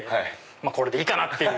まぁこれでいいかなっていう。